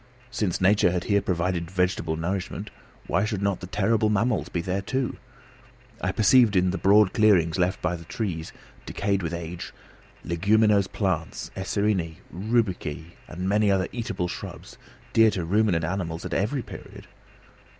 Since nature had here provided vegetable nourishment, why should not the terrible mammals be there too? I perceived in the broad clearings left by fallen trees, decayed with age, leguminose plants, acerineæ, rubiceæ and many other eatable shrubs, dear to ruminant animals at every period.